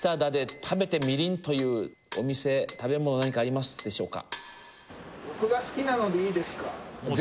「食べてみりん！」というお店食べ物何かありますでしょうか？